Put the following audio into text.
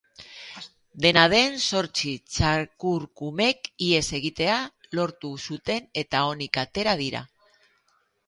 Dena den, zortzi txakurkumek ihes egitea lortu zuten eta onik atera dira.